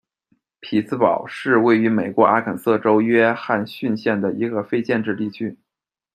匹茨堡是位于美国阿肯色州约翰逊县的一个非建制地区。